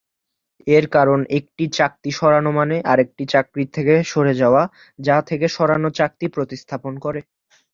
এর কারণ একটি চাকতি সরানো মানে আরেকটি চাকতির থেকে যাওয়া, যা থেকে সরানো চাকতি প্রতিস্থাপন করে।